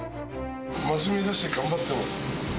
真面目だし、頑張ってます。